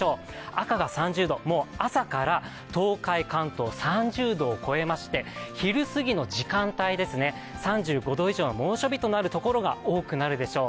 赤が３０度、朝から東海、関東、３０度を超えまして、昼過ぎの時間帯、３５度以上の猛暑日となるところが多くなるでしょう。